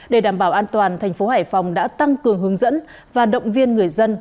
để đảm bảo an toàn thành phố hải phòng đã tăng cường hướng dẫn và động viên người dân